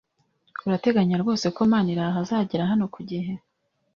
Urateganya rwose ko Maniraho azagera hano ku gihe?